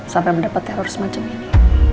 sampai mendapat teror semacam ini